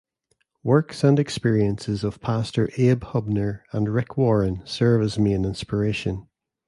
Works and experiences of pastors Abe Hubner and Rick Warren serve as main inspiration.